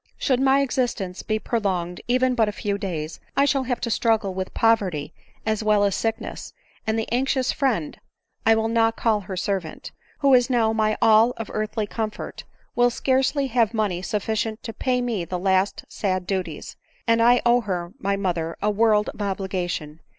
Should my existence be prolonged even but a few days, I shall have to struggle with poverty as well as sickness, and the anxious fnend, (I will not call her servant) who is now my all of earthly comfort, will scarcely have money suf ficient to pay me the last sad duties ; and I owe her, my mother, a world of obligation